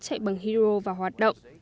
chạy bằng hydro vào hoạt động